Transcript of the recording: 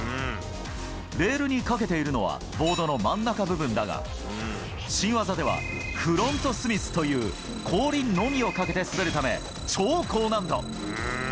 レールにかけているのは、ボードの真ん中部分だが、新技ではフロントスミスという後輪のみをかけて滑るため、超高難度。